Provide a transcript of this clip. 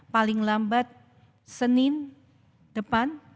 paling lambat senin depan